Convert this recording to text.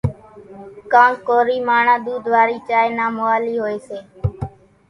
ڪانڪ ڪورِي ماڻۿان ۮوڌ وارِي چائيَ نان موالِي هوئيَ سي۔